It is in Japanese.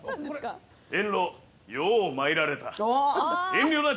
遠路、よう参られた。